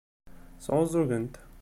Sɛuẓẓugent.